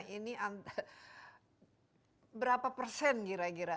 ini berapa persen kira kira